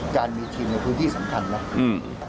การมีทีมในพื้นที่สำคัญนะ